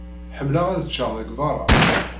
Ḥemmleɣ ad ččeɣ deg beṛṛa.